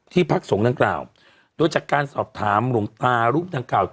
ที่พลักษณ์สงครรภ์